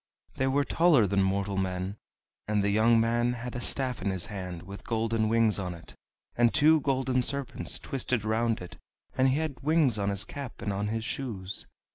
They were taller than mortal men, and the young man had a staff in his hand with golden wings on it, and two golden serpents twisted round it, and he had wings on his cap and on his shoes.